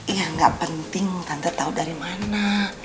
ya gak penting tante tau dari mana